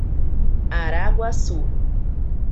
Araguaçu